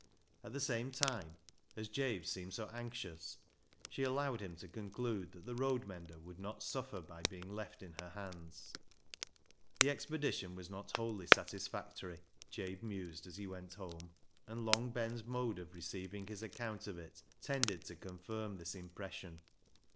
At the same time, as Jabe seemed so anxious, she allowed him to conclude that the road mender would not suffer by being left in her hands. The expedition was not wholly satisfactory, Jabe mused as he went home. And Long Ben's mode of receiving his account of it tended to confirm this impression.